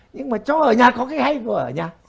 nhưng mà cho ở nhà có cái hay vừa ở nhà